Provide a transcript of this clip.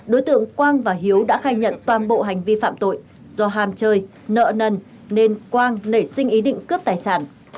đối tượng quang và hiếu đã khai nhận toàn bộ hành vi phạm tội do ham chơi nợ nần nên quang nảy sinh ý định cướp tài sản